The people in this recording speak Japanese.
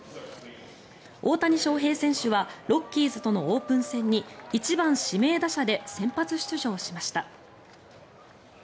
大谷翔平選手はロッキーズとのオープン戦に１番指名打者で先発出場しました。